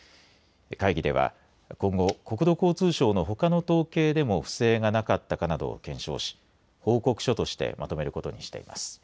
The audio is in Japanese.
会議では今後国土交通省のほかの統計でも不正がなかったかなどを検証し報告書としてまとめることにしています。